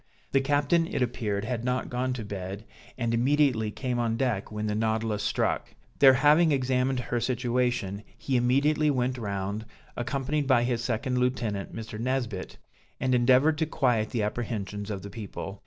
The captain it appeared had not gone to bed, and immediately came on deck when the Nautilus struck; there having examined her situation, he immediately went round, accompanied by his second lieutenant, Mr. Nesbit, and endeavored to quiet the apprehensions of the people.